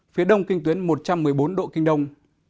phía đông kinh tuyến một trăm một mươi bốn độ kinh đông